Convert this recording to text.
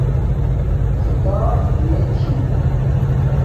کھیتاپ میے چھی